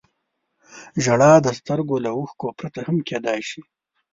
• ژړا د سترګو له اوښکو پرته هم کېدای شي.